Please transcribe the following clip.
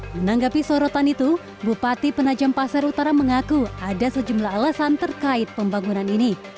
menanggapi sorotan itu bupati penajam pasar utara mengaku ada sejumlah alasan terkait pembangunan ini